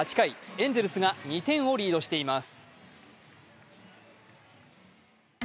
エンゼルスが２点をリードしています。